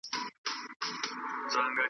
د څپو د زور یې نه ول مړوندونه .